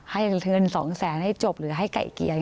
ให้เงิน๒แสนให้จบหรือให้ไก่เกียร์